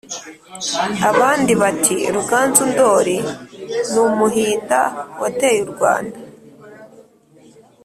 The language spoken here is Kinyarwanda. abandi bati: ruganzu ndori ni umuhinda wateye u rwanda